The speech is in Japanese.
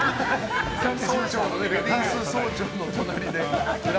レディース総長の隣で。